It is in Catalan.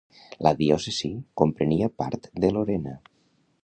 La diòcesi comprenia part de Lorena.